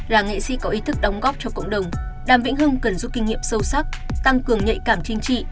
là nghệ sĩ có ý thức đóng góp cho cộng đồng đàm vĩnh hưng cần giúp kinh nghiệm sâu sắc tăng cường nhạy cảm chính trị